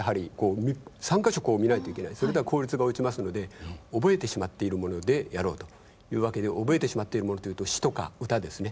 それでは効率が落ちますので覚えてしまっているものでやろうというわけで覚えてしまっているものというと詞とか歌ですね。